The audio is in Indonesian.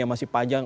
yang masih panjang